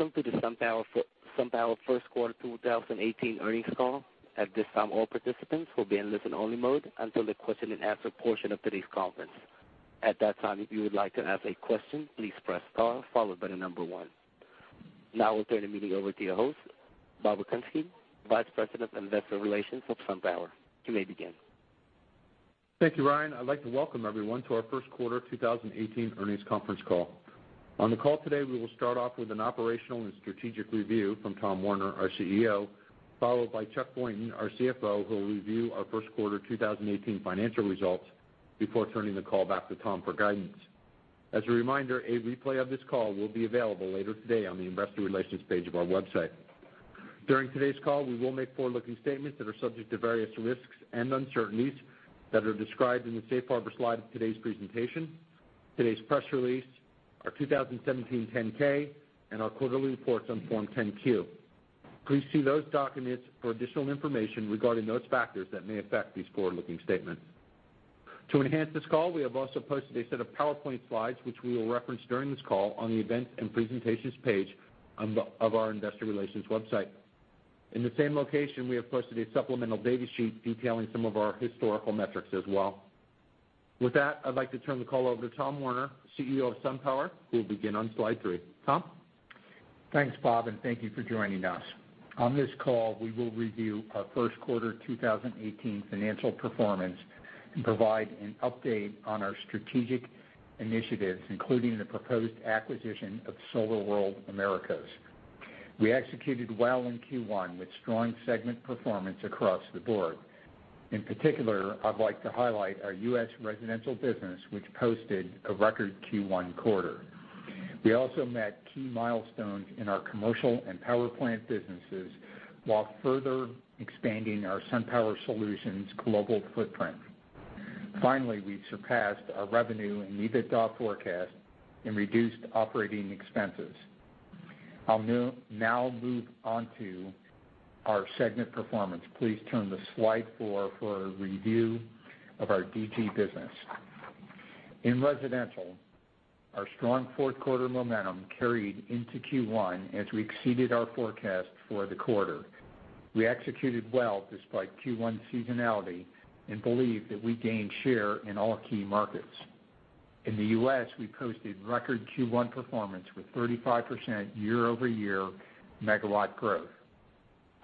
Welcome to the SunPower First Quarter 2018 Earnings Call. At this time, all participants will be in listen-only mode until the question and answer portion of today's conference. At that time, if you would like to ask a question, please press star followed by the number one. Now I'll turn the meeting over to your host, Bob Okunski, Vice President of Investor Relations for SunPower. You may begin. Thank you, Ryan. I'd like to welcome everyone to our first quarter 2018 earnings conference call. On the call today, we will start off with an operational and strategic review from Tom Werner, our CEO, followed by Chuck Boynton, our CFO, who will review our first quarter 2018 financial results before turning the call back to Tom for guidance. As a reminder, a replay of this call will be available later today on the investor relations page of our website. During today's call, we will make forward-looking statements that are subject to various risks and uncertainties that are described in the safe harbor slide of today's presentation, today's press release, our 2017 10-K, and our quarterly reports on Form 10-Q. Please see those documents for additional information regarding those factors that may affect these forward-looking statements. To enhance this call, we have also posted a set of PowerPoint slides, which we will reference during this call on the events and presentations page of our investor relations website. In the same location, we have posted a supplemental data sheet detailing some of our historical metrics as well. With that, I'd like to turn the call over to Tom Werner, CEO of SunPower, who will begin on slide four. Tom? Thanks, Bob, thank you for joining us. On this call, we will review our first quarter 2018 financial performance and provide an update on our strategic initiatives, including the proposed acquisition of SolarWorld Americas. We executed well in Q1 with strong segment performance across the board. In particular, I'd like to highlight our U.S. residential business, which posted a record Q1 quarter. We also met key milestones in our commercial and power plant businesses while further expanding our SunPower Solutions global footprint. Finally, we've surpassed our revenue and EBITDA forecast and reduced operating expenses. I'll now move on to our segment performance. Please turn to slide four for a review of our DG business. In residential, our strong fourth quarter momentum carried into Q1 as we exceeded our forecast for the quarter. We executed well despite Q1 seasonality and believe that we gained share in all key markets. In the U.S., we posted record Q1 performance with 35% year-over-year megawatt growth.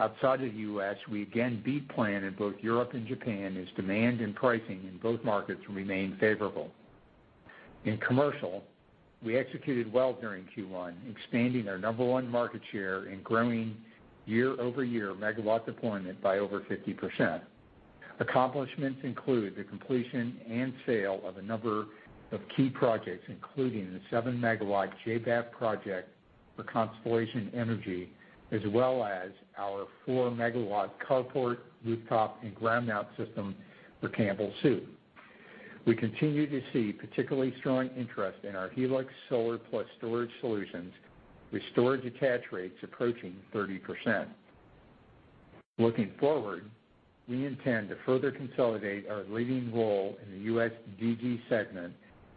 Outside the U.S., we again beat plan in both Europe and Japan as demand and pricing in both markets remained favorable. In commercial, we executed well during Q1, expanding our number one market share and growing year-over-year megawatt deployment by over 50%. Accomplishments include the completion and sale of a number of key projects, including the 7-megawatt JBAB project for Constellation Energy, as well as our 4-megawatt carport, rooftop, and ground mount system for Campbell Soup. We continue to see particularly strong interest in our Helix Solar plus storage solutions with storage attach rates approaching 30%. Looking forward, we intend to further consolidate our leading role in the U.S. DG segment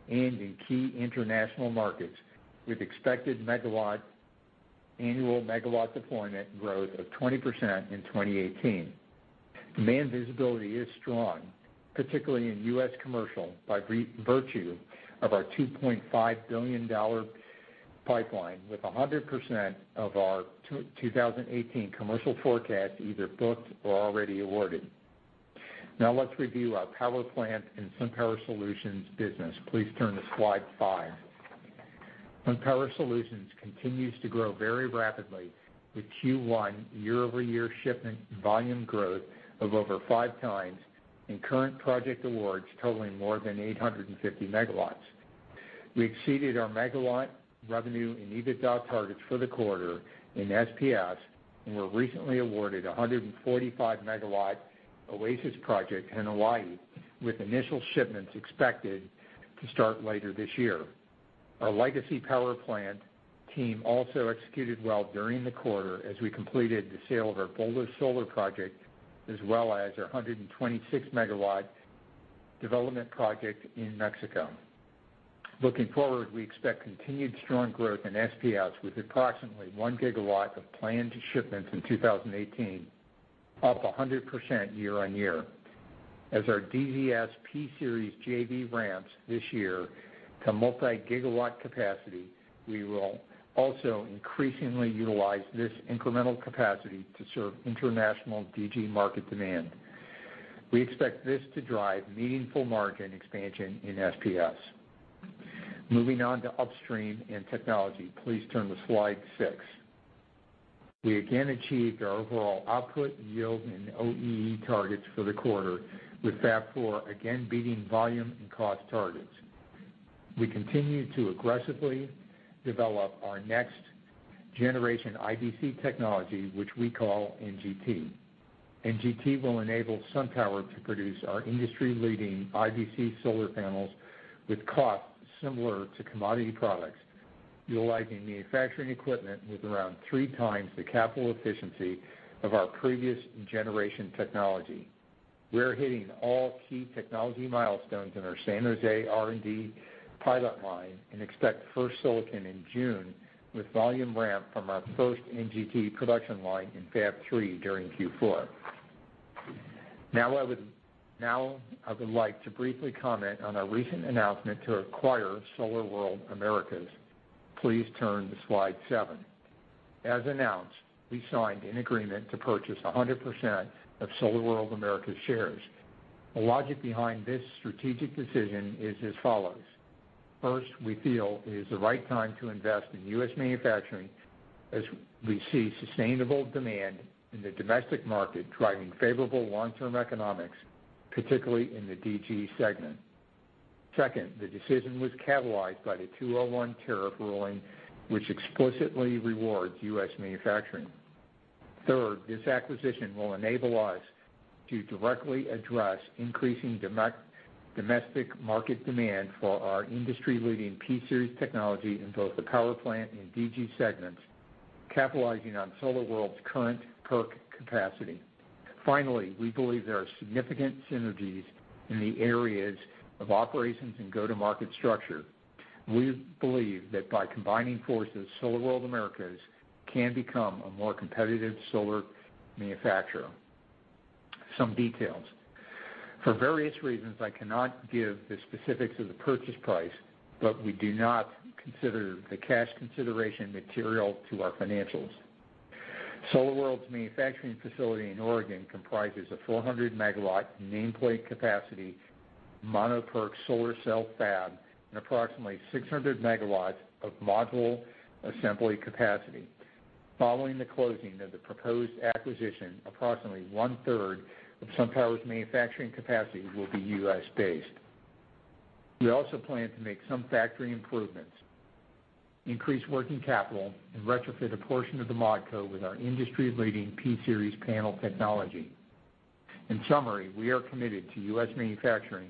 and in key international markets with expected megawatt, annual megawatt deployment growth of 20% in 2018. Demand visibility is strong, particularly in U.S. commercial, by virtue of our $2.5 billion pipeline with 100% of our 2018 commercial forecast either booked or already awarded. Now let's review our power plant and SunPower Solutions business. Please turn to slide five. SunPower Solutions continues to grow very rapidly with Q1 year-over-year shipment volume growth of over 5 times and current project awards totaling more than 850 megawatts. We exceeded our megawatt revenue and EBITDA targets for the quarter in SPS and were recently awarded a 145 megawatt Oasis project in Hawaii, with initial shipments expected to start later this year. Our legacy power plant team also executed well during the quarter as we completed the sale of our Boulder solar project, as well as our 126 megawatt development project in Mexico. Looking forward, we expect continued strong growth in SPS with approximately 1 gigawatt of planned shipments in 2018, up 100% year-on-year. As our DZS P-Series JV ramps this year to multi-gigawatt capacity, we will also increasingly utilize this incremental capacity to serve international DG market demand. We expect this to drive meaningful margin expansion in SPS. Moving on to upstream and technology. Please turn to slide six. We again achieved our overall output and yield and OEE targets for the quarter, with Fab 4 again beating volume and cost targets. We continue to aggressively develop our next-generation IBC technology, which we call NGT. NGT will enable SunPower to produce our industry-leading IBC solar panels with costs similar to commodity products, utilizing manufacturing equipment with around 3 times the capital efficiency of our previous generation technology. We're hitting all key technology milestones in our San Jose R&D pilot line and expect first silicon in June with volume ramp from our first NGT production line in Fab 3 during Q4. Now I would like to briefly comment on our recent announcement to acquire SolarWorld Americas. Please turn to slide seven. As announced, we signed an agreement to purchase 100% of SolarWorld Americas shares. The logic behind this strategic decision is as follows. First, we feel it is the right time to invest in U.S. manufacturing as we see sustainable demand in the domestic market driving favorable long-term economics, particularly in the DG segment. Second, the decision was catalyzed by the 201 tariff ruling, which explicitly rewards U.S. manufacturing. Third, this acquisition will enable us to directly address increasing domestic market demand for our industry-leading P-Series technology in both the power plant and DG segments, capitalizing on SolarWorld's current PERC capacity. Finally, we believe there are significant synergies in the areas of operations and go-to-market structure. We believe that by combining forces, SolarWorld Americas can become a more competitive solar manufacturer. Some details. For various reasons, I cannot give the specifics of the purchase price, but we do not consider the cash consideration material to our financials. SolarWorld's manufacturing facility in Oregon comprises a 400-megawatt nameplate capacity mono PERC solar cell fab and approximately 600 megawatts of module assembly capacity. Following the closing of the proposed acquisition, approximately one-third of SunPower's manufacturing capacity will be U.S.-based. We also plan to make some factory improvements, increase working capital, and retrofit a portion of the [mark cover] with our industry-leading P-Series panel technology. In summary, we are committed to U.S. manufacturing,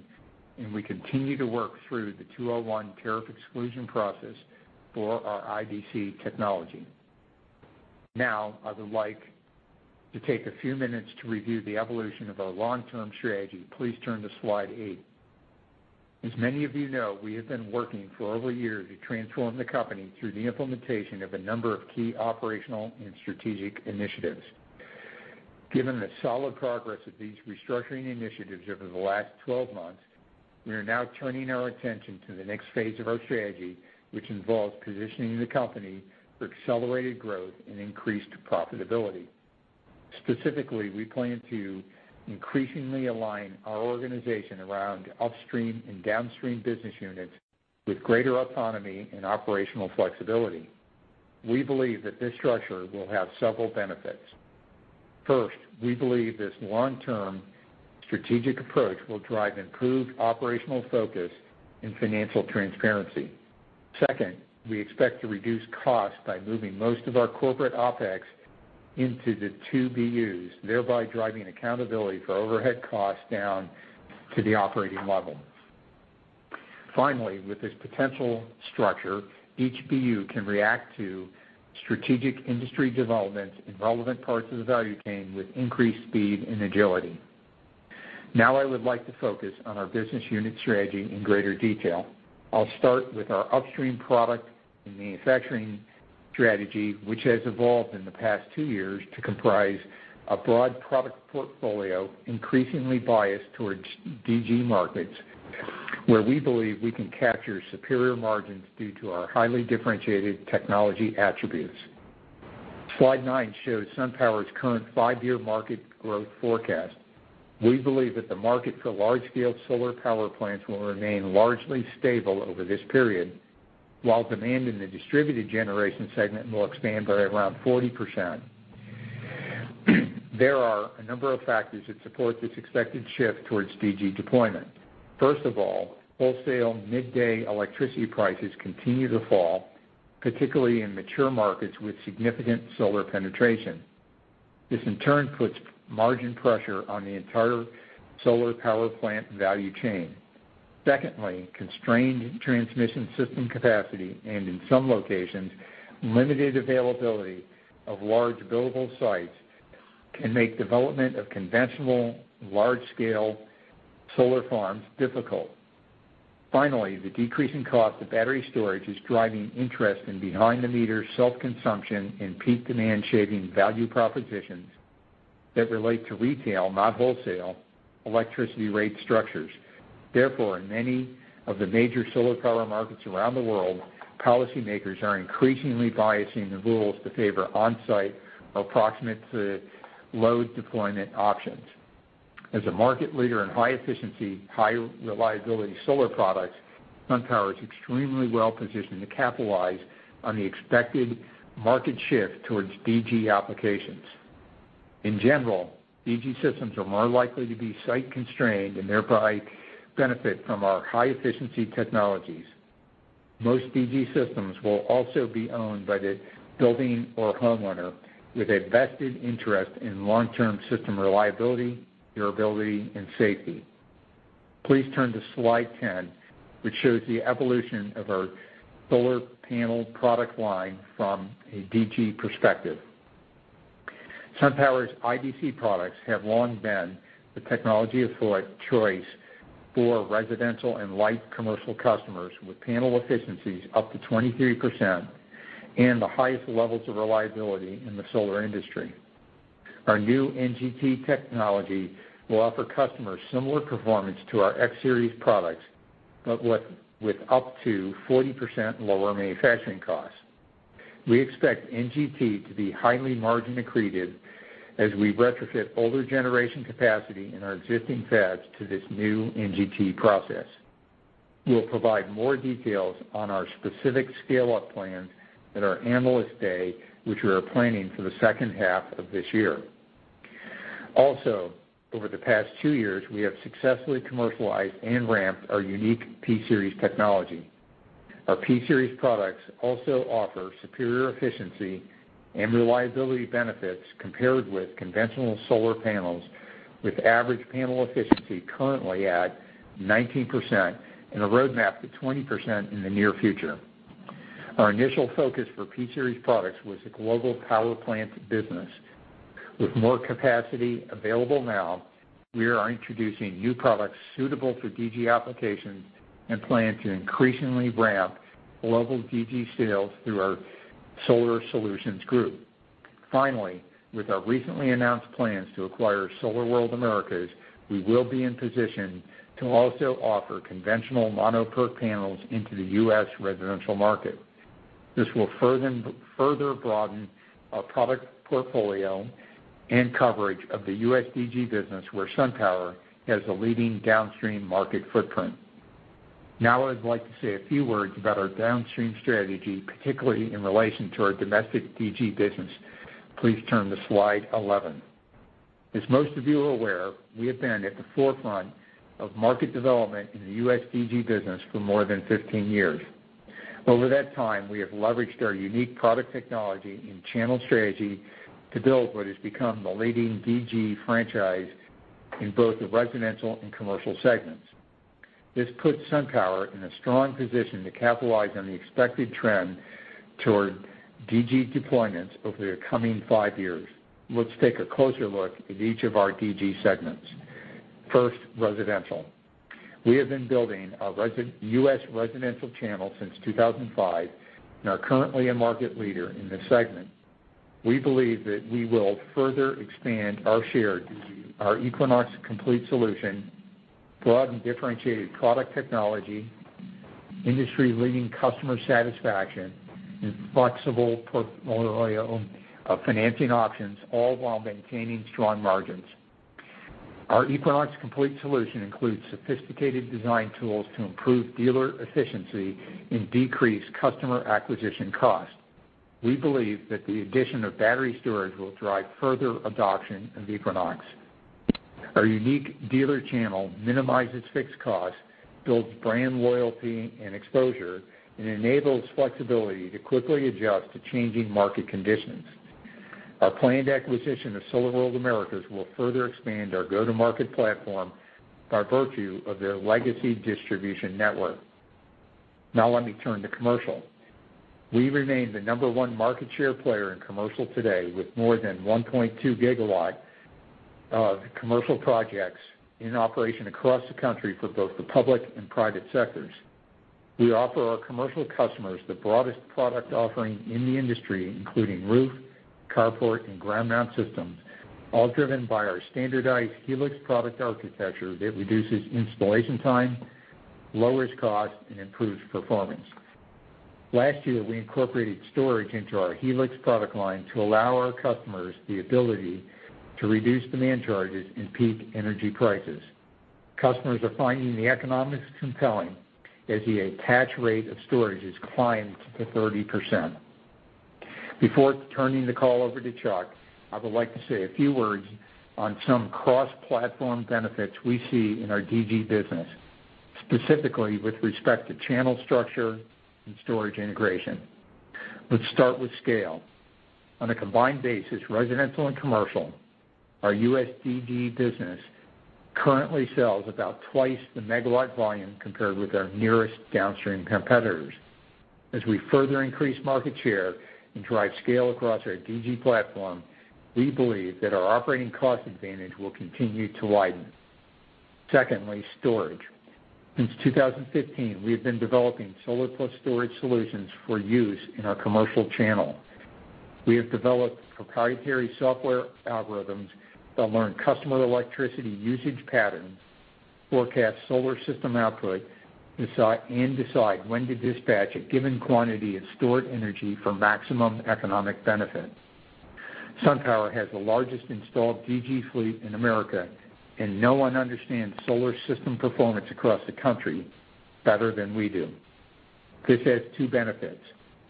and we continue to work through the 201 tariff exclusion process for our IBC technology. Now, I would like to take a few minutes to review the evolution of our long-term strategy. Please turn to slide eight. As many of you know, we have been working for over a year to transform the company through the implementation of a number of key operational and strategic initiatives. Given the solid progress of these restructuring initiatives over the last 12 months, we are now turning our attention to the next phase of our strategy, which involves positioning the company for accelerated growth and increased profitability. Specifically, we plan to increasingly align our organization around upstream and downstream business units with greater autonomy and operational flexibility. We believe that this structure will have several benefits. First, we believe this long-term strategic approach will drive improved operational focus and financial transparency. Second, we expect to reduce costs by moving most of our corporate OpEx into the two BUs, thereby driving accountability for overhead costs down to the operating level. Finally, with this potential structure, each BU can react to strategic industry developments in relevant parts of the value chain with increased speed and agility. Now I would like to focus on our business unit strategy in greater detail. I'll start with our upstream product and manufacturing strategy, which has evolved in the past two years to comprise a broad product portfolio, increasingly biased towards DG markets, where we believe we can capture superior margins due to our highly differentiated technology attributes. Slide nine shows SunPower's current five-year market growth forecast. We believe that the market for large-scale solar power plants will remain largely stable over this period, while demand in the distributed generation segment will expand by around 40%. There are a number of factors that support this expected shift towards DG deployment. First of all, wholesale midday electricity prices continue to fall, particularly in mature markets with significant solar penetration. This in turn puts margin pressure on the entire solar power plant value chain. Secondly, constrained transmission system capacity and, in some locations, limited availability of large billable sites can make development of conventional large-scale solar farms difficult. Finally, the decrease in cost of battery storage is driving interest in behind-the-meter self-consumption and peak demand shaving value propositions that relate to retail, not wholesale, electricity rate structures. In many of the major solar power markets around the world, policymakers are increasingly biasing the rules to favor on-site or proximate-to-load deployment options. As a market leader in high-efficiency, high-reliability solar products, SunPower is extremely well-positioned to capitalize on the expected market shift towards DG applications. In general, DG systems are more likely to be site constrained and thereby benefit from our high-efficiency technologies. Most DG systems will also be owned by the building or homeowner with a vested interest in long-term system reliability, durability, and safety. Please turn to slide 10, which shows the evolution of our solar panel product line from a DG perspective. SunPower's IBC products have long been the technology of choice for residential and light commercial customers with panel efficiencies up to 23% and the highest levels of reliability in the solar industry. Our new NGT technology will offer customers similar performance to our X-Series products, but with up to 40% lower manufacturing costs. We expect NGT to be highly margin accretive as we retrofit older generation capacity in our existing fabs to this new NGT process. We will provide more details on our specific scale-up plans at our Analyst Day, which we are planning for the second half of this year. Over the past two years, we have successfully commercialized and ramped our unique P-Series technology. Our P-Series products also offer superior efficiency and reliability benefits compared with conventional solar panels, with average panel efficiency currently at 19% and a roadmap to 20% in the near future. Our initial focus for P-Series products was the global power plant business. With more capacity available now, we are introducing new products suitable for DG applications and plan to increasingly ramp global DG sales through our SunPower Solutions group. With our recently announced plans to acquire SolarWorld Americas, we will be in position to also offer conventional mono PERC panels into the U.S. residential market. This will further broaden our product portfolio and coverage of the U.S. DG business, where SunPower has a leading downstream market footprint. I would like to say a few words about our downstream strategy, particularly in relation to our domestic DG business. Please turn to slide 11. Most of you are aware, we have been at the forefront of market development in the U.S. DG business for more than 15 years. Over that time, we have leveraged our unique product technology and channel strategy to build what has become the leading DG franchise in both the residential and commercial segments. This puts SunPower in a strong position to capitalize on the expected trend toward DG deployments over the coming five years. Let's take a closer look at each of our DG segments. First, residential. We have been building our U.S. residential channel since 2005 and are currently a market leader in this segment. We believe that we will further expand our share due to our Equinox complete solution, broad and differentiated product technology, industry-leading customer satisfaction, and flexible portfolio of financing options, all while maintaining strong margins. Our Equinox complete solution includes sophisticated design tools to improve dealer efficiency and decrease customer acquisition costs. We believe that the addition of battery storage will drive further adoption of Equinox. Our unique dealer channel minimizes fixed costs, builds brand loyalty and exposure, and enables flexibility to quickly adjust to changing market conditions. Our planned acquisition of SolarWorld Americas will further expand our go-to-market platform by virtue of their legacy distribution network. Let me turn to commercial. We remain the number one market share player in commercial today, with more than 1.2 gigawatts of commercial projects in operation across the country for both the public and private sectors. We offer our commercial customers the broadest product offering in the industry, including roof, carport, and ground mount systems, all driven by our standardized Helix product architecture that reduces installation time, lowers cost, and improves performance. Last year, we incorporated storage into our Helix product line to allow our customers the ability to reduce demand charges and peak energy prices. Customers are finding the economics compelling as the attach rate of storage has climbed to 30%. Before turning the call over to Chuck, I would like to say a few words on some cross-platform benefits we see in our DG business, specifically with respect to channel structure and storage integration. Let's start with scale. On a combined basis, residential and commercial, our U.S. DG business currently sells about twice the megawatt volume compared with our nearest downstream competitors. As we further increase market share and drive scale across our DG platform, we believe that our operating cost advantage will continue to widen. Secondly, storage. Since 2015, we have been developing solar plus storage solutions for use in our commercial channel. We have developed proprietary software algorithms that learn customer electricity usage patterns, forecast solar system output, and decide when to dispatch a given quantity of stored energy for maximum economic benefit. SunPower has the largest installed DG fleet in America, and no one understands solar system performance across the country better than we do. This has two benefits.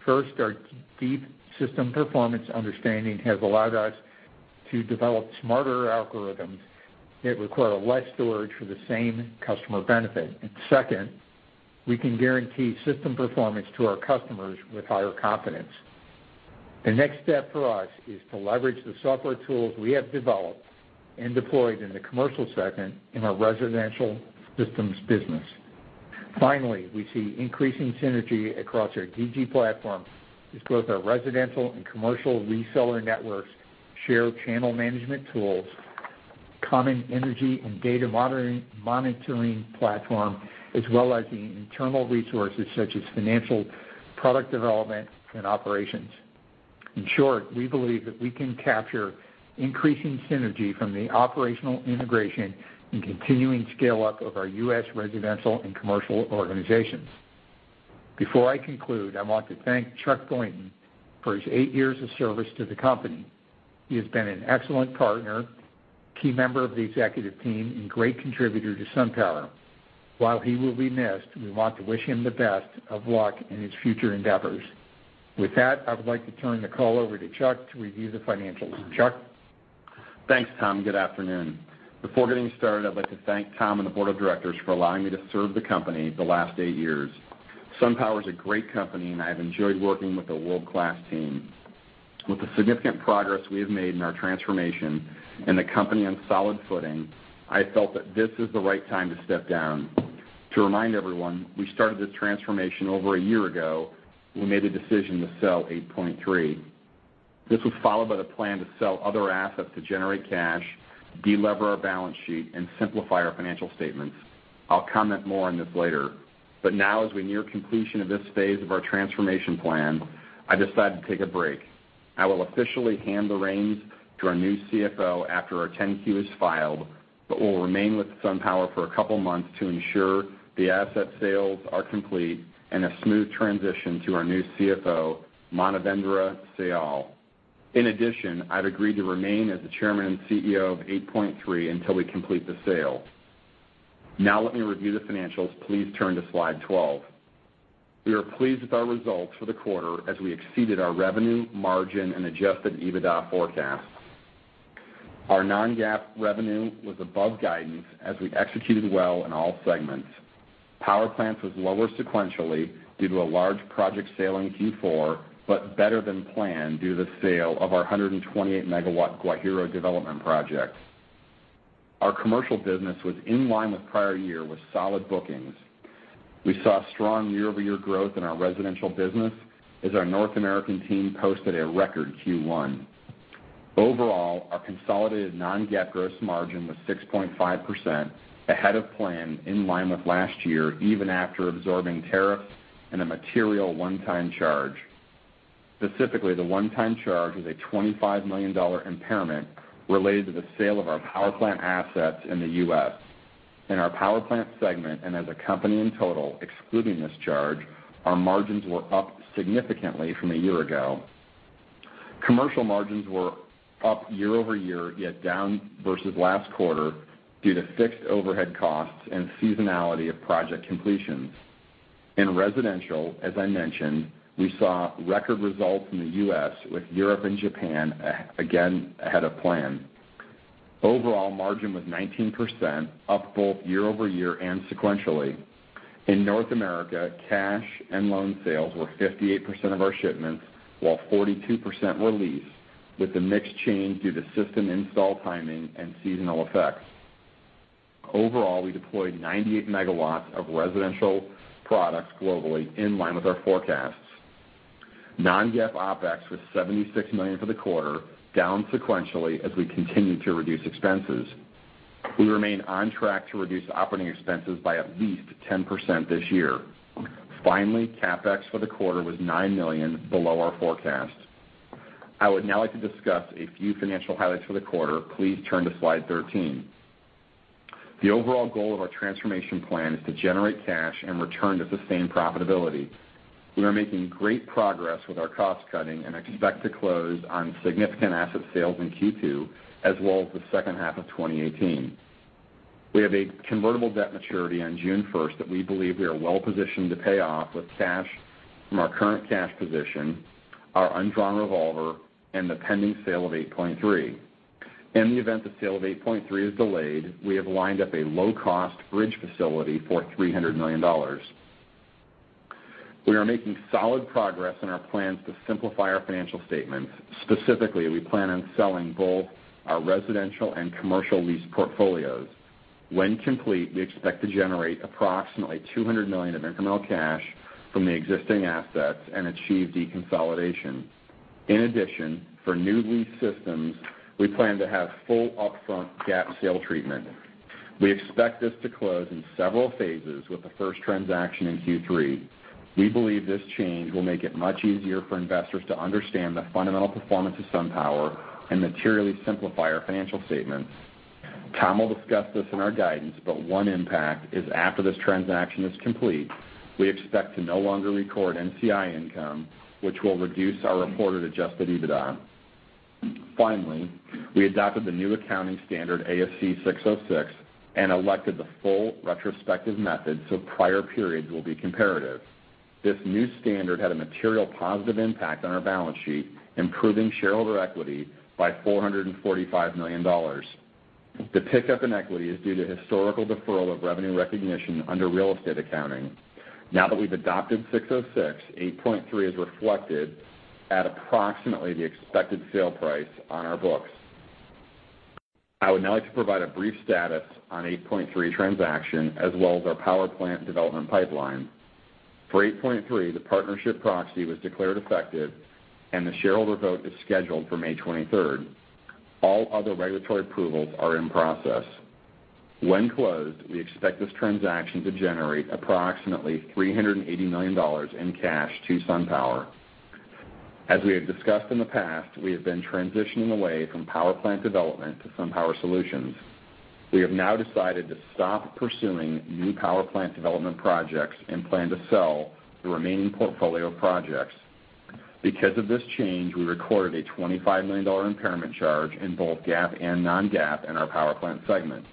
First, our deep system performance understanding has allowed us to develop smarter algorithms that require less storage for the same customer benefit. Second, we can guarantee system performance to our customers with higher confidence. The next step for us is to leverage the software tools we have developed and deployed in the commercial segment in our residential systems business. Finally, we see increasing synergy across our DG platform as both our residential and commercial reseller networks share channel management tools, common energy and data monitoring platform, as well as the internal resources such as financial, product development, and operations. In short, we believe that we can capture increasing synergy from the operational integration and continuing scale-up of our U.S. residential and commercial organizations. Before I conclude, I want to thank Chuck Boynton for his eight years of service to the company. He has been an excellent partner, key member of the executive team, and great contributor to SunPower. While he will be missed, we want to wish him the best of luck in his future endeavors. With that, I would like to turn the call over to Chuck to review the financials. Chuck? Thanks, Tom. Good afternoon. Before getting started, I'd like to thank Tom and the board of directors for allowing me to serve the company the last eight years. SunPower is a great company, and I have enjoyed working with a world-class team. With the significant progress we have made in our transformation and the company on solid footing, I felt that this is the right time to step down. To remind everyone, we started this transformation over a year ago when we made the decision to sell 8point3. This was followed by the plan to sell other assets to generate cash, de-lever our balance sheet, and simplify our financial statements. I'll comment more on this later. Now as we near completion of this phase of our transformation plan, I decided to take a break. I will officially hand the reins to our new CFO after our 10-Q is filed but will remain with SunPower for a couple of months to ensure the asset sales are complete and a smooth transition to our new CFO, Manavendra Sial. In addition, I've agreed to remain as the chairman and CEO of 8point3 until we complete the sale. Now let me review the financials. Please turn to slide 12. We are pleased with our results for the quarter as we exceeded our revenue, margin, and adjusted EBITDA forecasts. Our non-GAAP revenue was above guidance as we executed well in all segments. Power plants was lower sequentially due to a large project sale in Q4, but better than planned due to the sale of our 128 MW Guajiro development project. Our commercial business was in line with prior year with solid bookings. We saw strong year-over-year growth in our residential business as our North American team posted a record Q1. Overall, our consolidated non-GAAP gross margin was 6.5%, ahead of plan, in line with last year, even after absorbing tariffs and a material one-time charge. Specifically, the one-time charge was a $25 million impairment related to the sale of our power plant assets in the U.S. In our power plant segment and as a company in total, excluding this charge, our margins were up significantly from a year ago. Commercial margins were up year-over-year, yet down versus last quarter due to fixed overhead costs and seasonality of project completions. In residential, as I mentioned, we saw record results in the U.S. with Europe and Japan again ahead of plan. Overall margin was 19%, up both year-over-year and sequentially. In North America, cash and loan sales were 58% of our shipments while 42% were lease, with the mix change due to system install timing and seasonal effects. Overall, we deployed 98 megawatts of residential products globally in line with our forecasts. Non-GAAP OpEx was $76 million for the quarter, down sequentially as we continued to reduce expenses. We remain on track to reduce operating expenses by at least 10% this year. Finally, CapEx for the quarter was $9 million below our forecast. I would now like to discuss a few financial highlights for the quarter. Please turn to slide 13. The overall goal of our transformation plan is to generate cash and return to sustained profitability. We are making great progress with our cost-cutting and expect to close on significant asset sales in Q2 as well as the second half of 2018. We have a convertible debt maturity on June 1st that we believe we are well-positioned to pay off with cash from our current cash position, our undrawn revolver, and the pending sale of 8point3. In the event the sale of 8point3 is delayed, we have lined up a low-cost bridge facility for $300 million. We are making solid progress in our plans to simplify our financial statements. Specifically, we plan on selling both our residential and commercial lease portfolios. When complete, we expect to generate approximately $200 million of incremental cash from the existing assets and achieve deconsolidation. In addition, for new lease systems, we plan to have full upfront GAAP sale treatment. We expect this to close in several phases with the first transaction in Q3. We believe this change will make it much easier for investors to understand the fundamental performance of SunPower and materially simplify our financial statements. Tom will discuss this in our guidance, but one impact is after this transaction is complete, we expect to no longer record NCI income, which will reduce our reported adjusted EBITDA. Finally, we adopted the new accounting standard ASC 606 and elected the full retrospective method so prior periods will be comparative. This new standard had a material positive impact on our balance sheet, improving shareholder equity by $445 million. The pickup in equity is due to historical deferral of revenue recognition under real estate accounting. Now that we've adopted 606, 8point3 is reflected at approximately the expected sale price on our books. I would now like to provide a brief status on the 8point3 transaction as well as our power plant development pipeline. For 8point3, the partnership proxy was declared effective, and the shareholder vote is scheduled for May 23rd. All other regulatory approvals are in process. When closed, we expect this transaction to generate approximately $380 million in cash to SunPower. As we have discussed in the past, we have been transitioning away from power plant development to SunPower Solutions. We have now decided to stop pursuing new power plant development projects and plan to sell the remaining portfolio of projects. Because of this change, we recorded a $25 million impairment charge in both GAAP and non-GAAP in our power plant segment.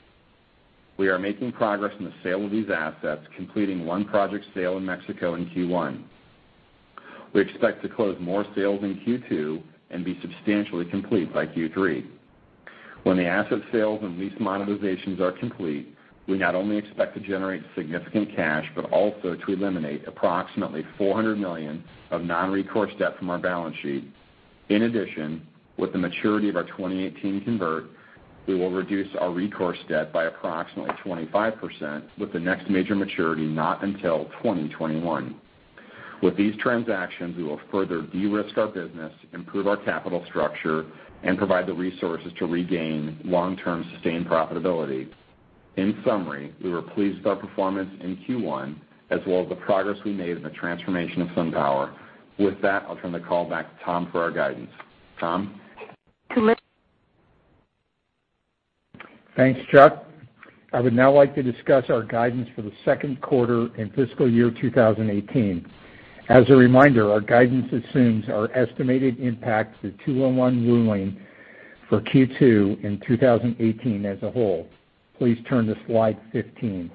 We are making progress in the sale of these assets, completing one project sale in Mexico in Q1. We expect to close more sales in Q2 and be substantially complete by Q3. When the asset sales and lease monetizations are complete, we not only expect to generate significant cash but also to eliminate approximately $400 million of non-recourse debt from our balance sheet. In addition, with the maturity of our 2018 convert, we will reduce our recourse debt by approximately 25% with the next major maturity not until 2021. With these transactions, we will further de-risk our business, improve our capital structure, and provide the resources to regain long-term sustained profitability. In summary, we were pleased with our performance in Q1 as well as the progress we made in the transformation of SunPower. With that, I'll turn the call back to Tom for our guidance. Tom? Thanks, Chuck. I would now like to discuss our guidance for the second quarter and fiscal year 2018. As a reminder, our guidance assumes our estimated impact to the 201 ruling for Q2 and 2018 as a whole. Please turn to slide 15.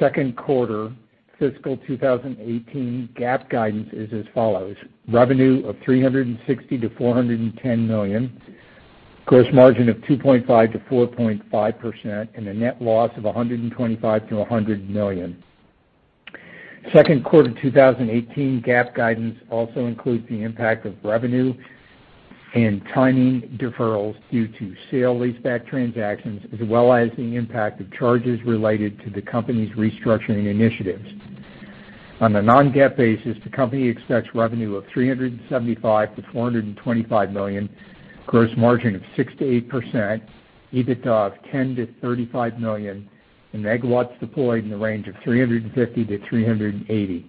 Second quarter fiscal 2018 GAAP guidance is as follows: revenue of $360 million-$410 million, gross margin of 2.5%-4.5%, and a net loss of $125 million-$100 million. Second quarter 2018 GAAP guidance also includes the impact of revenue and timing deferrals due to sale leaseback transactions, as well as the impact of charges related to the company's restructuring initiatives. On a non-GAAP basis, the company expects revenue of $375 million-$425 million, gross margin of 6%-8%, EBITDA of $10 million-$35 million, and megawatts deployed in the range of 350-380.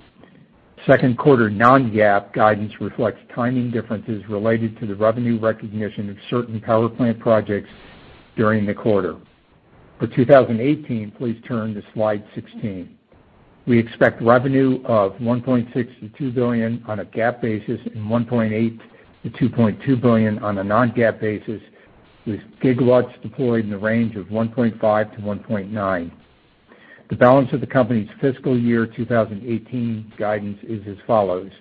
Second quarter non-GAAP guidance reflects timing differences related to the revenue recognition of certain power plant projects during the quarter. For 2018, please turn to slide 16. We expect revenue of $1.6 billion-$2 billion on a GAAP basis and $1.8 billion-$2.2 billion on a non-GAAP basis, with gigawatts deployed in the range of 1.5-1.9. The balance of the company's fiscal year 2018 guidance is as follows: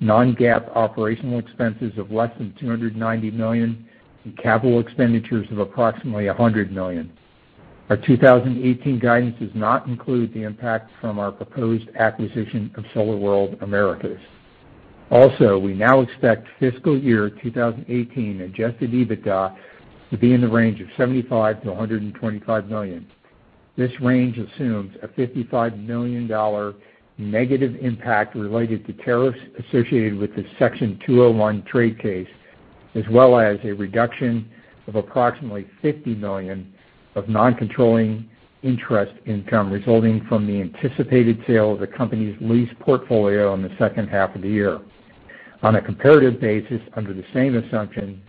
non-GAAP operational expenses of less than $290 million and capital expenditures of approximately $100 million. Our 2018 guidance does not include the impact from our proposed acquisition of SolarWorld Americas. Also, we now expect fiscal year 2018 adjusted EBITDA to be in the range of $75 million-$125 million. This range assumes a $55 million negative impact related to tariffs associated with the Section 201 trade case, as well as a reduction of approximately $50 million of non-controlling interest income resulting from the anticipated sale of the company's lease portfolio in the second half of the year. On a comparative basis, under the same assumption,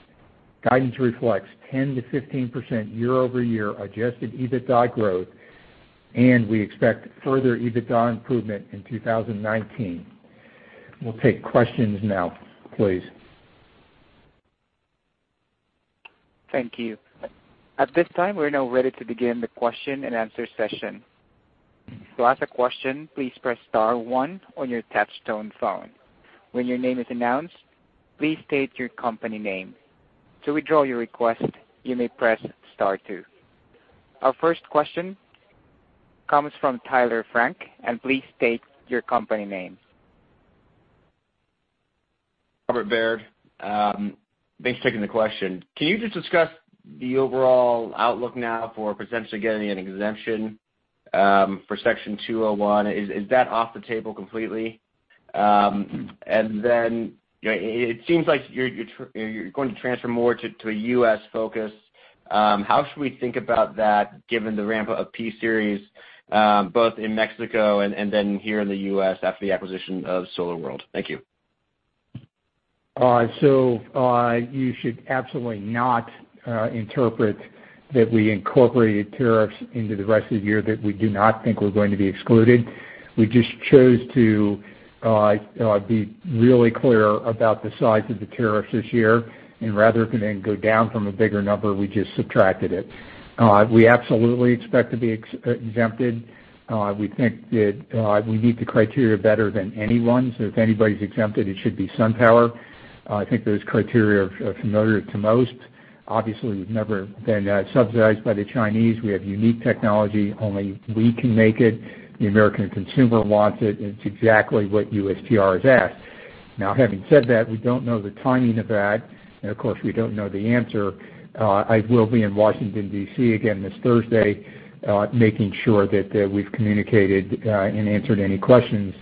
guidance reflects 10%-15% year-over-year adjusted EBITDA growth, and we expect further EBITDA improvement in 2019. We'll take questions now, please. Thank you. At this time, we're now ready to begin the question-and-answer session. To ask a question, please press star one on your touch-tone phone. When your name is announced, please state your company name. To withdraw your request, you may press star two. Our first question comes from Tyler Frank, and please state your company name. Robert W. Baird. Thanks for taking the question. Can you just discuss the overall outlook now for potentially getting an exemption for Section 201? Then, it seems like you're going to transfer more to a U.S. focus. How should we think about that given the ramp of P-Series, both in Mexico and then here in the U.S. after the acquisition of SolarWorld? Thank you. You should absolutely not interpret that we incorporated tariffs into the rest of the year, that we do not think we're going to be excluded. We just chose to be really clear about the size of the tariffs this year, and rather than go down from a bigger number, we just subtracted it. We absolutely expect to be exempted. We think that we meet the criteria better than anyone, so if anybody's exempted, it should be SunPower. I think those criteria are familiar to most. Obviously, we've never been subsidized by the Chinese. We have unique technology. Only we can make it. The American consumer wants it, and it's exactly what USTR has asked. Having said that, we don't know the timing of that, and of course, we don't know the answer. I will be in Washington, D.C., again this Thursday, making sure that we've communicated and answered any questions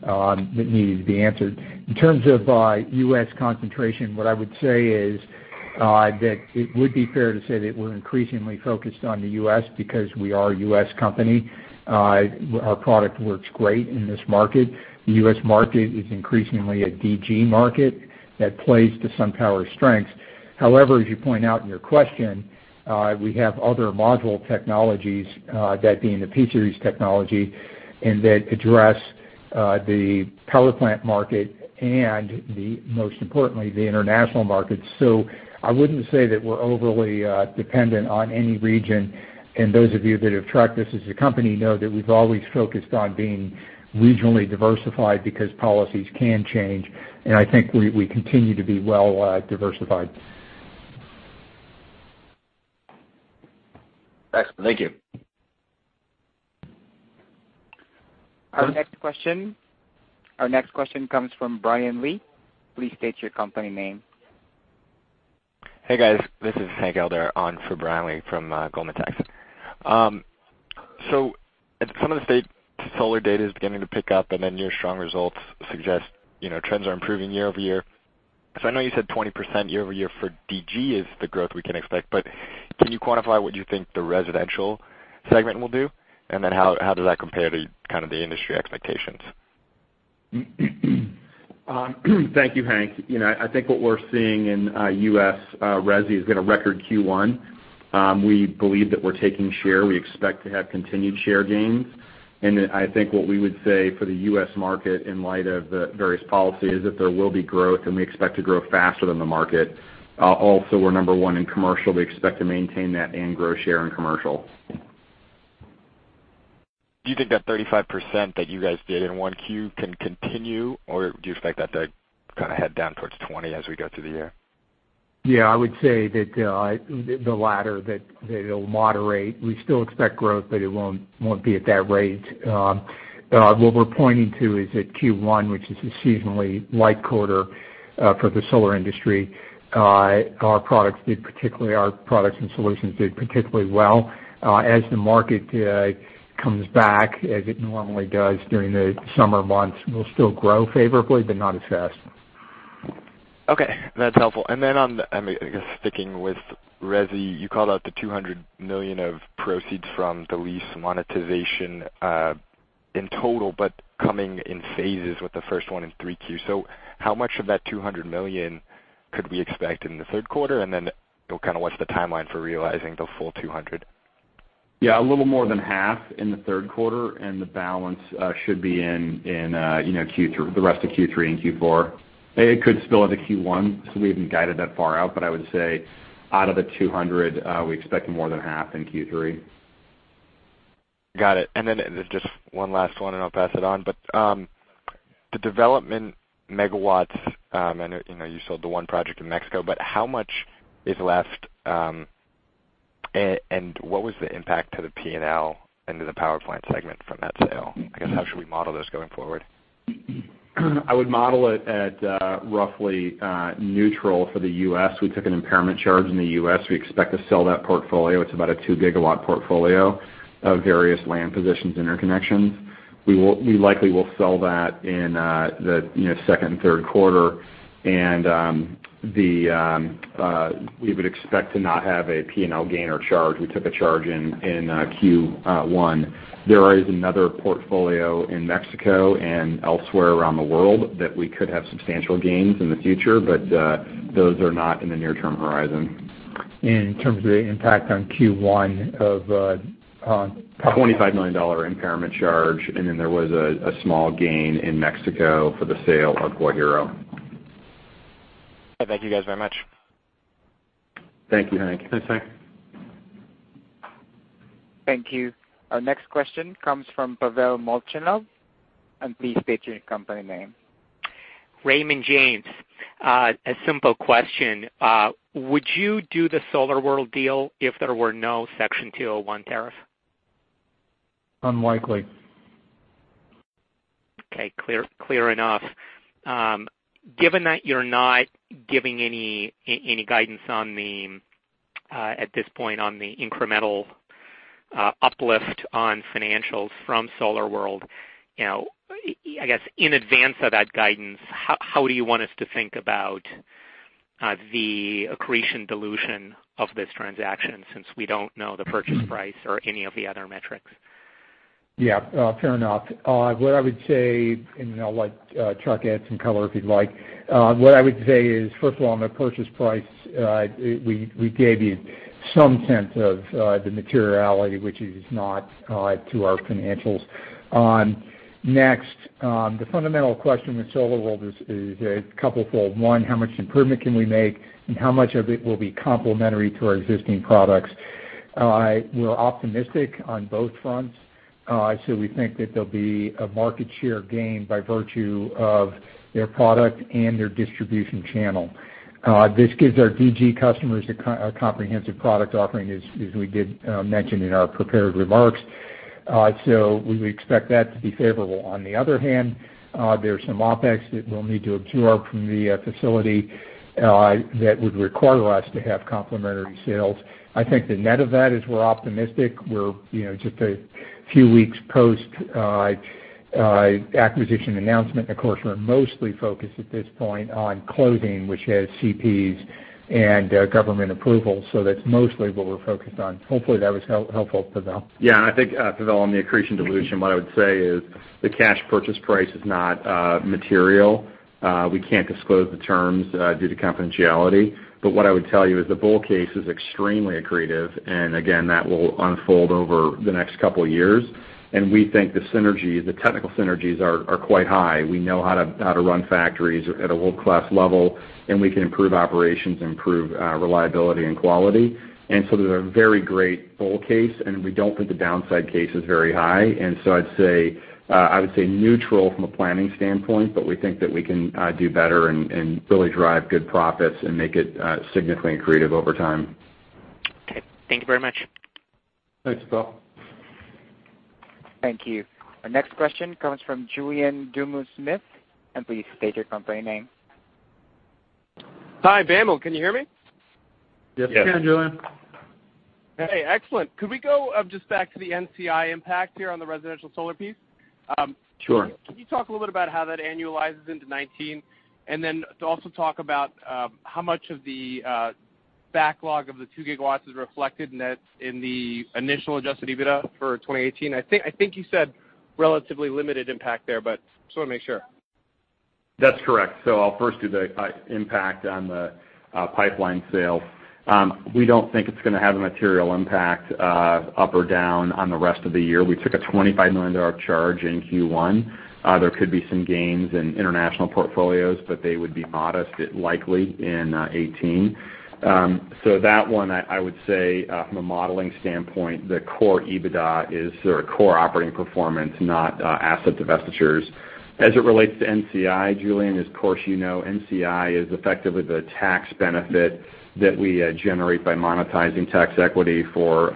that needed to be answered. In terms of U.S. concentration, what I would say is that it would be fair to say that we're increasingly focused on the U.S. because we are a U.S. company. Our product works great in this market. The U.S. market is increasingly a DG market that plays to SunPower's strengths. As you point out in your question, we have other module technologies, that being the P-Series technology, and that address the power plant market and most importantly, the international market. So I wouldn't say that we're overly dependent on any region, and those of you that have tracked us as a company know that we've always focused on being regionally diversified because policies can change. I think we continue to be well diversified. Excellent. Thank you. Our next question comes from Brian Lee. Please state your company name. Hey, guys. This is Hank Elder on for Brian Lee from Goldman Sachs. Some of the state solar data is beginning to pick up, your strong results suggest trends are improving year-over-year. I know you said 20% year-over-year for DG is the growth we can expect, can you quantify what you think the residential segment will do? How does that compare to the industry expectations? Thank you, Hank. I think what we're seeing in U.S. resi is going to record Q1. We believe that we're taking share. We expect to have continued share gains. I think what we would say for the U.S. market in light of the various policy is that there will be growth, and we expect to grow faster than the market. We're number one in commercial. We expect to maintain that and grow share in commercial. Do you think that 35% that you guys did in 1Q can continue, or do you expect that to head down towards 20 as we go through the year? Yeah, I would say that the latter, that it'll moderate. We still expect growth, but it won't be at that rate. What we're pointing to is that Q1, which is a seasonally light quarter for the solar industry, our products and solutions did particularly well. As the market comes back, as it normally does during the summer months, we'll still grow favorably, but not as fast. Okay. That's helpful. Sticking with resi, you called out the $200 million of proceeds from the lease monetization in total, but coming in phases with the first one in 3Q. How much of that $200 million could we expect in the third quarter? What's the timeline for realizing the full 200? Yeah, a little more than half in the third quarter, the balance should be in the rest of Q3 and Q4. It could spill into Q1, we haven't guided that far out. I would say out of the 200, we expect more than half in Q3. Got it. Just one last one, and I'll pass it on. The development megawatts, I know you sold the one project in Mexico, but how much is left, and what was the impact to the P&L and to the power plant segment from that sale? I guess how should we model this going forward? I would model it at roughly neutral for the U.S. We took an impairment charge in the U.S. We expect to sell that portfolio. It's about a two-gigawatt portfolio of various land positions, interconnections. We likely will sell that in the second and third quarter, and we would expect to not have a P&L gain or charge. We took a charge in Q1. There is another portfolio in Mexico and elsewhere around the world that we could have substantial gains in the future, but those are not in the near-term horizon. In terms of the impact on Q1 of- $25 million impairment charge, and then there was a small gain in Mexico for the sale of Guajiro. Thank you guys very much. Thank you, Hank. Thanks, Hank. Thank you. Our next question comes from Pavel Molchanov, and please state your company name. Raymond James. A simple question. Would you do the SolarWorld deal if there were no Section 201 tariff? Unlikely. Okay, clear enough. Given that you're not giving any guidance at this point on the incremental uplift on financials from SolarWorld, I guess in advance of that guidance, how do you want us to think about the accretion dilution of this transaction since we don't know the purchase price or any of the other metrics? Fair enough. What I would say, and I'll let Chuck add some color if he'd like. What I would say is, first of all, on the purchase price, we gave you some sense of the materiality, which is not to our financials. Next, the fundamental question with SolarWorld is couple-fold. One, how much improvement can we make, and how much of it will be complementary to our existing products? We're optimistic on both fronts. We think that there'll be a market share gain by virtue of their product and their distribution channel. This gives our DG customers a comprehensive product offering, as we did mention in our prepared remarks. We would expect that to be favorable. On the other hand, there's some OpEx that we'll need to absorb from the facility that would require us to have complementary sales. I think the net of that is we're optimistic. We're just a few weeks post-acquisition announcement. Of course, we're mostly focused at this point on closing, which has CPs and government approval. That's mostly what we're focused on. Hopefully, that was helpful, Pavel. Yeah. I think, Pavel, on the accretion dilution, what I would say is the cash purchase price is not material. We can't disclose the terms due to confidentiality. What I would tell you is the bull case is extremely accretive, and again, that will unfold over the next couple of years. We think the technical synergies are quite high. We know how to run factories at a world-class level, and we can improve operations, improve reliability, and quality. There's a very great bull case, and we don't think the downside case is very high. I would say neutral from a planning standpoint, but we think that we can do better and really drive good profits and make it significantly accretive over time. Okay. Thank you very much. Thanks, Pavel. Thank you. Our next question comes from Julien Dumoulin-Smith. Please state your company name. Hi, BAML. Can you hear me? Yes, we can, Julien. Hey, excellent. Could we go up just back to the NCI impact here on the residential solar piece? Sure. Can you talk a little bit about how that annualizes into 2019? To also talk about how much of the backlog of the 2 gigawatts is reflected net in the initial adjusted EBITDA for 2018? I think you said relatively limited impact there, but just want to make sure. That's correct. I'll first do the impact on the pipeline sales. We don't think it's going to have a material impact up or down on the rest of the year. We took a $25 million charge in Q1. There could be some gains in international portfolios, but they would be modest, if likely, in 2018. That one, I would say, from a modeling standpoint, the core EBITDA is our core operating performance, not asset divestitures. As it relates to NCI, Julien, as of course you know, NCI is effectively the tax benefit that we generate by monetizing tax equity for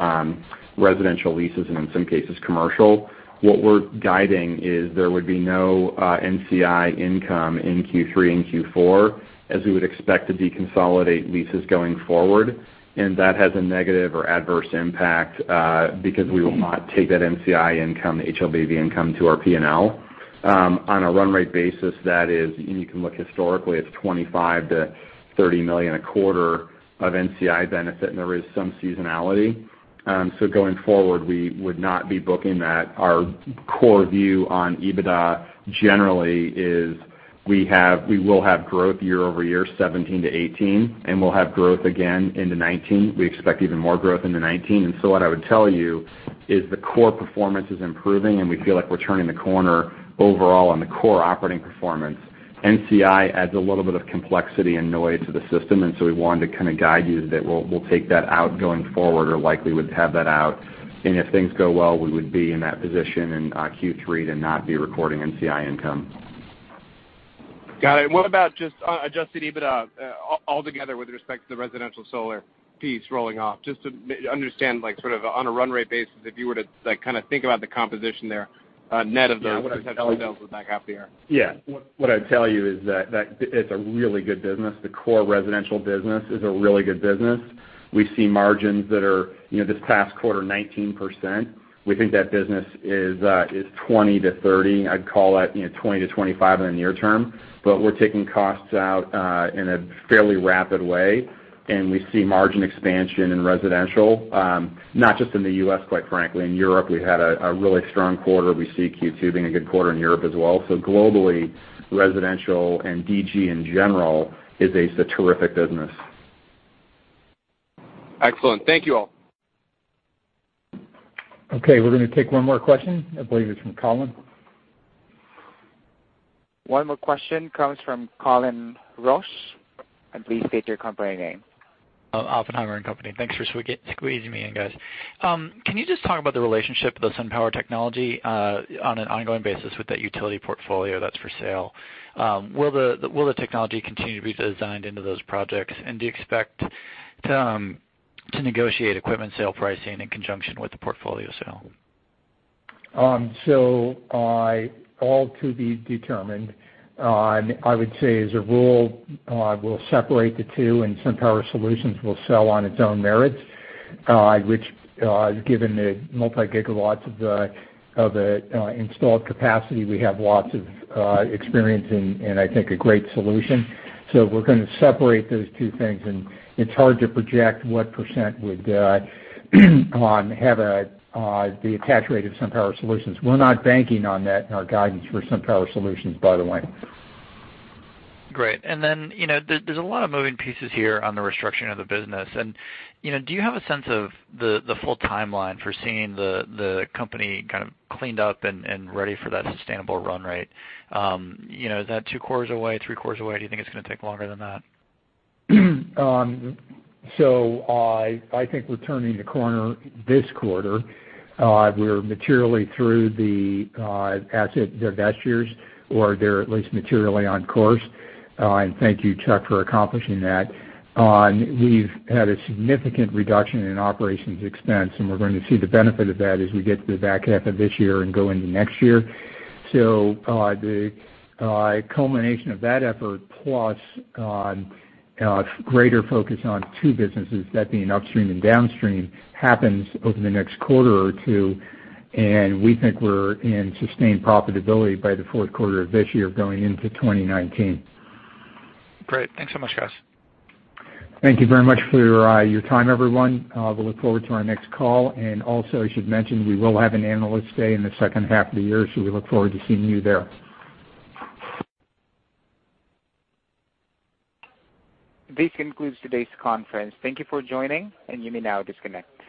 residential leases and in some cases, commercial. What we're guiding is there would be no NCI income in Q3 and Q4, as we would expect to deconsolidate leases going forward. That has a negative or adverse impact because we will not take that NCI income, HLBV income to our P&L. On a run rate basis, that is, and you can look historically, it's $25 million to $30 million a quarter of NCI benefit, and there is some seasonality. Going forward, we would not be booking that. Our core view on EBITDA generally is we will have growth year-over-year 2017 to 2018, and we'll have growth again into 2019. We expect even more growth into 2019. What I would tell you is the core performance is improving, and we feel like we're turning the corner overall on the core operating performance. NCI adds a little bit of complexity and noise to the system, and we wanted to kind of guide you that we'll take that out going forward or likely would have that out. If things go well, we would be in that position in Q3 to not be recording NCI income. Got it. What about just adjusted EBITDA altogether with respect to the residential solar piece rolling off, just to understand sort of on a run rate basis, if you were to think about the composition there net of the potential sales in the back half of the year? Yeah. What I'd tell you is that it's a really good business. The core residential business is a really good business. We see margins that are, this past quarter, 19%. We think that business is 20%-30%. I'd call it 20%-25% in the near term. We're taking costs out in a fairly rapid way, and we see margin expansion in residential, not just in the U.S., quite frankly. In Europe, we had a really strong quarter. We see Q2 being a good quarter in Europe as well. Globally, residential and DG in general is a terrific business. Excellent. Thank you all. Okay, we're going to take one more question. I believe it's from Colin. One more question comes from Colin Rusch. Please state your company name. Oppenheimer & Company. Thanks for squeezing me in, guys. Can you just talk about the relationship of the SunPower technology on an ongoing basis with that utility portfolio that's for sale? Will the technology continue to be designed into those projects, and do you expect to negotiate equipment sale pricing in conjunction with the portfolio sale? All to be determined. I would say as a rule, we'll separate the two. SunPower Solutions will sell on its own merits, which given the multi-gigawatts of the installed capacity, we have lots of experience and I think a great solution. We're going to separate those two things. It's hard to project what % would have the attach rate of SunPower Solutions. We're not banking on that in our guidance for SunPower Solutions, by the way. Great. There's a lot of moving pieces here on the restructuring of the business. Do you have a sense of the full timeline for seeing the company kind of cleaned up and ready for that sustainable run rate? Is that two quarters away, three quarters away? Do you think it's going to take longer than that? I think we're turning the corner this quarter. We're materially through the asset divestitures, or they're at least materially on course. Thank you, Chuck, for accomplishing that. We've had a significant reduction in operations expense. We're going to see the benefit of that as we get to the back half of this year and go into next year. The culmination of that effort, plus greater focus on two businesses, that being upstream and downstream, happens over the next quarter or two. We think we're in sustained profitability by the fourth quarter of this year going into 2019. Great. Thanks so much, guys. Thank you very much for your time, everyone. We will look forward to our next call. Also, I should mention, we will have an Analyst Day in the second half of the year, we look forward to seeing you there. This concludes today's conference. Thank you for joining, and you may now disconnect.